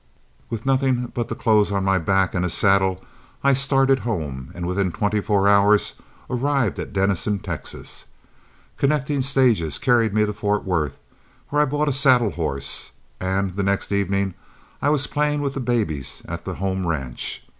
With nothing but the clothes on my back and a saddle, I started home, and within twenty four hours arrived at Denison, Texas. Connecting stages carried me to Fort Worth, where I bought a saddle horse, and the next evening I was playing with the babies at the home ranch.